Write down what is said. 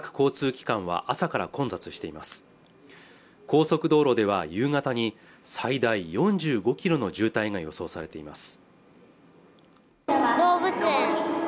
高速道路では夕方に最大４５ｋｍの渋滞が予想されています